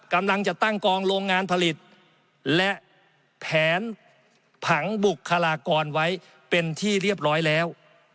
กำลังจะตั้งกองโรงงานผลิตและแผนผังบุคลากรไว้เป็นที่เรียบร้อยแล้ว